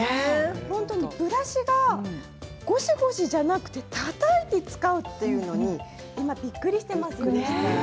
本当にブラシがごしごしじゃなくてたたいて使うっていうのに今びっくりしていますよね。